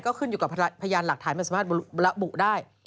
ก็ขึ้นอยู่กับพยานหลักฐานมันสามารถระบุได้